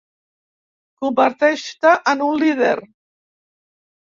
Converteix-te en un líder!